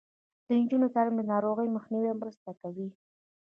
د نجونو تعلیم د ناروغیو مخنیوي مرسته کوي.